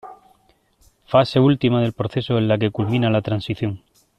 Fase última del proceso en la que culmina la transición.